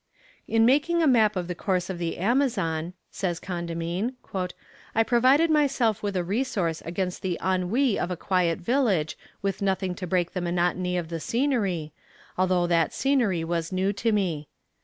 "In making a map of the course of the Amazon," says Condamine, "I provided myself with a resource against the ennui of a quiet voyage with nothing to break the monotony of the scenery, though that scenery was new to me.